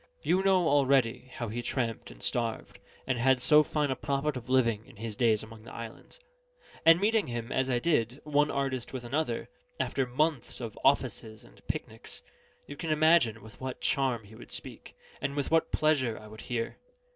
You know already how he tramped and starved, and had so fine a profit of living, in his days among the islands; and meeting him, as I did, one artist with another, after months of offices and picnics, you can imagine with what charm he would speak, and with what pleasure I would hear.